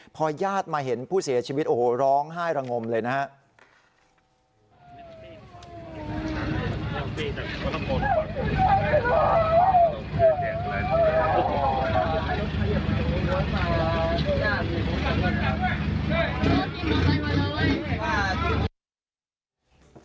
พอญาติมาเห็นผู้เสียชีวิตโอ้โหร้องไห้ระงมเลยนะครับ